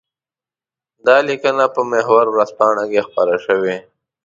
دا لیکنه په محور ورځپاڼه کې خپره شوې.